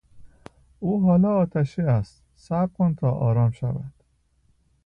او حالا آتشی است، صبر کن تا آرام شود.